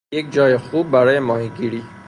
یک جای خوب برای ماهیگیری